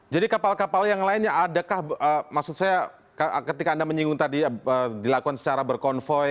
jadi kapal kapal yang lainnya adakah maksud saya ketika anda menyinggung tadi dilakukan secara berconvoy